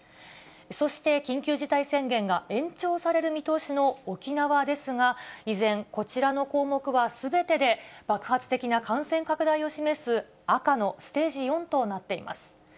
そして、緊急事態宣言が延長される見通しの沖縄ですが、依然、こちらの項目はすべてで、爆発的な感染拡大を示す赤のステージ４となっています。